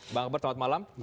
bang akbar selamat malam